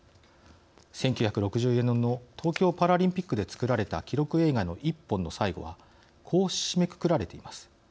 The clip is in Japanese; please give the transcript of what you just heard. １９６４年の東京パラリンピックで作られた記録映画の１本の最後はこう締めくくられています。